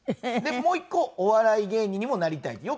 でもう一個お笑い芸人にもなりたい。